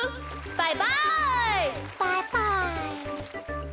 バイバイ。